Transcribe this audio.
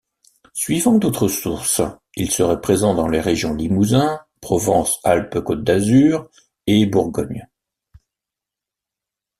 Suivant d'autres sources, il serait présent dans les régions Limousin, Provence-Alpes-Côte d'Azur et Bourgogne.